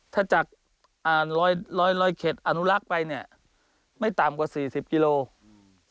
ถ้าจากรอยเข็ดอนุรักษ์ไปไม่ต่ำกว่า๔๐กิโลกรัม